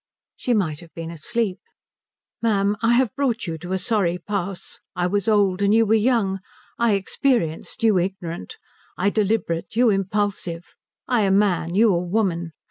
She might have been asleep. "Ma'am, I have brought you to a sorry pass. I was old, and you were young. I experienced, you ignorant. I deliberate, you impulsive. I a man, you a woman.